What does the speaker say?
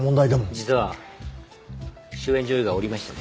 実は主演女優が降りましてね。